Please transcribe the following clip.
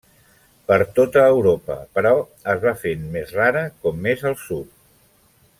Per tota Europa, però es va fent més rara com més al sud.